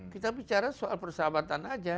kita bicara soal persahabatan aja